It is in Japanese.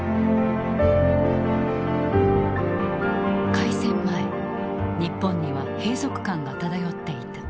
開戦前日本には閉塞感が漂っていた。